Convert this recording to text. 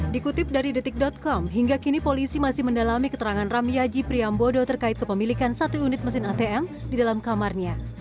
dikutip dari detik com hingga kini polisi masih mendalami keterangan ramiyaji priyambodo terkait kepemilikan satu unit mesin atm di dalam kamarnya